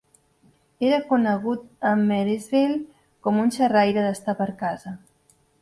Era conegut a Marysville com un xerraire d'estar per casa.